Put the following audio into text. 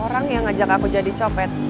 orang yang ngajak aku jadi copet